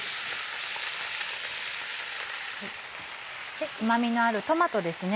でうまみのあるトマトですね。